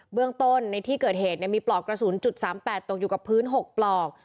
เรื่องต้นในที่เกิดเหตุมีปลอกกระสุนจุด๓๘ตกอยู่กับพื้น๖ปลอก